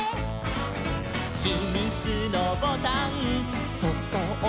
「ひみつのボタンそっとおしたら」「」